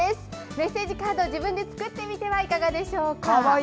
メッセージカード、自分で作ってみてはいかがでしょうか。